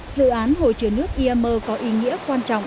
dự án hồ chứa nước iamer có ý nghĩa quan trọng